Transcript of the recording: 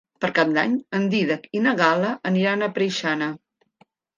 Per Cap d'Any en Dídac i na Gal·la aniran a Preixana.